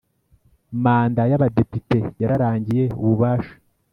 Manda y’abadepite yararangiye, ububasha